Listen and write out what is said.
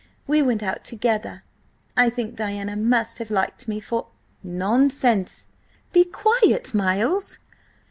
We went out together. I think Diana must have liked me, for—" "Nonsense!" "Be quiet, Miles!